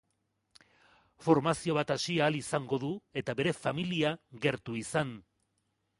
Formazio bat hasi ahal izango du eta bere familia gertu izan.